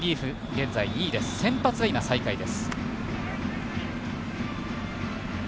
現在２位で先発は今、最下位です。